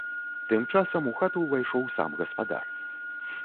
Тым часам у хату ўвайшоў сам гаспадар.